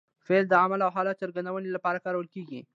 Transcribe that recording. فعل د عمل او حالت د څرګندوني له پاره کارول کېږي.